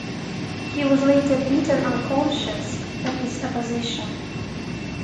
He was later beaten unconscious for his opposition.